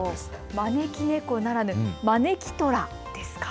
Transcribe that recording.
招き猫ならぬ招きとらですか。